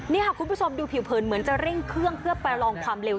นี่ค่ะคุณผู้ชมดูผิวเผินเหมือนจะเร่งเครื่องเพื่อประลองความเร็ว